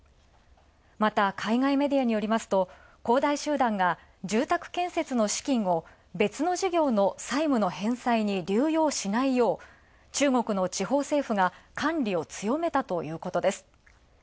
また海外メディアによりますと恒大集団が住宅建設の資金を別の事業の債務の返済に流用しないよう、中国の地方政府が管理を強めたということです。